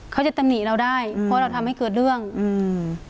จะตำหนิเราได้เพราะเราทำให้เกิดเรื่องอืม